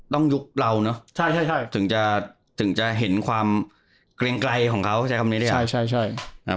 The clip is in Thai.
ต้องยุกเราเนอะถึงจะเห็นความเกรงไกลของเขาใช่คำนี้หรือเปล่า